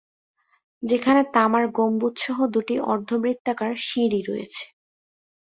যেখানে তামার গম্বুজ সহ দুটি অর্ধবৃত্তাকার সিঁড়ি রয়েছে।